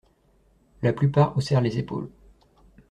La plupart haussèrent les épaules.